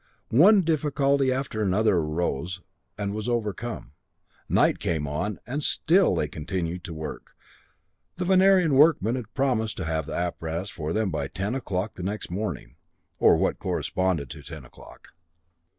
One difficulty after another arose and was overcome. Night came on, and still they continued work. The Venerian workmen had promised to have the apparatus for them by ten o'clock the next morning or what corresponded to ten o'clock.